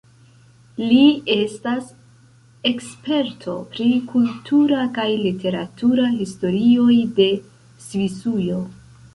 Li estas eksperto pri kultura kaj literatura historioj de Svisujo.